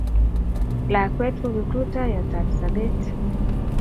Lakwet ko kiprutaiyot ab sobet